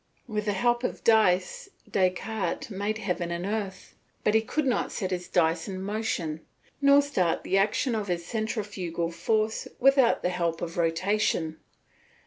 With the help of dice Descartes made heaven and earth; but he could not set his dice in motion, nor start the action of his centrifugal force without the help of rotation.